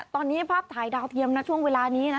ตอนนี้ภาพถ่ายดาวเทียมนะช่วงเวลานี้นะ